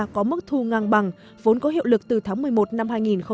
có mức thu ngang bằng vốn có hiệu lực từ tháng một mươi một năm hai nghìn một mươi chín